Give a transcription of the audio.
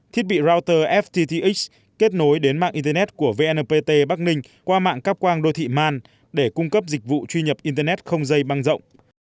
thiết bị router ftth kết nối đến mạng internet của vnpt bắc ninh qua mạng các quang đô thị man để cung cấp dịch vụ truy nhập internet không dây băng rộng